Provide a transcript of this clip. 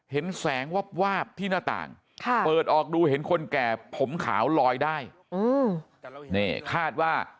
เห็นแสงวาบที่หน้าต่างเปิดออกดูเห็นคนแก่ผมขาวลอยได้นี่คาดว่า